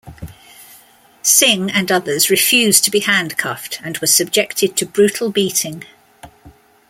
Singh and others refused to be handcuffed and were subjected to brutal beating.